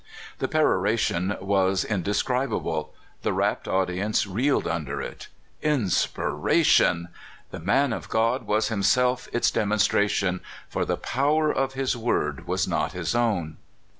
The peroration was indescribable. The rapt audience reeled under it. Inspiration ! Tlie man of God was himself its demonstration, for the power of his word was not his own.